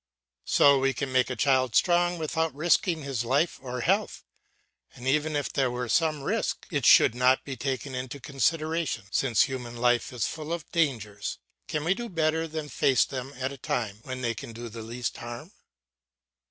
So we can make a child strong without risking his life or health, and even if there were some risk, it should not be taken into consideration. Since human life is full of dangers, can we do better than face them at a time when they can do the least harm?